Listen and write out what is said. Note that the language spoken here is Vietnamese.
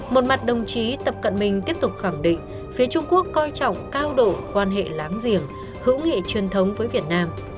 một mặt đồng chí tập cận bình tiếp tục khẳng định phía trung quốc coi trọng cao độ quan hệ láng giềng hữu nghị truyền thống với việt nam